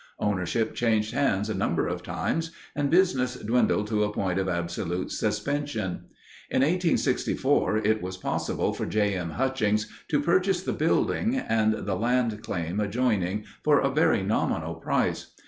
Ownership changed hands a number of times, and business dwindled to a point of absolute suspension. In 1864 it was possible for J. M. Hutchings to purchase the building and the land claim adjoining for a very nominal price.